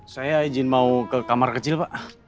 saya izin mau ke kamar kecil pak